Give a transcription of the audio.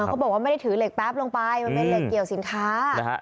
เขาบอกว่าไม่ได้ถือเหล็กแป๊บลงไปมันเป็นเหล็กเกี่ยวสินค้า